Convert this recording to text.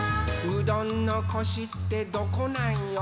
「うどんのコシってどこなんよ？」